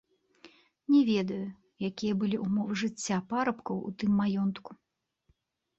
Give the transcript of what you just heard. Не ведаю, якія былі ўмовы жыцця парабкаў у тым маёнтку.